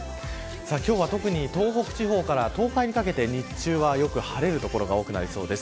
今日は特に東北地方から東海にかけて日中はよく晴れる所が多くなりそうです。